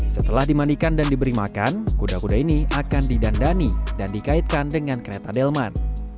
setelah dimandikan dan diberi makan kuda kuda ini akan didandani dan dikaitkan dengan kereta delman